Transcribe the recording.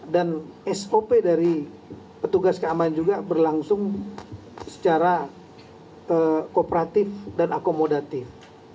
dan sop dari petugas keamanan juga berlangsung secara kooperatif dan akomodatif